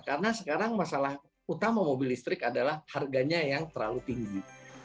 karena sekarang masalah utama mobil listrik adalah harganya yang terlalu tinggi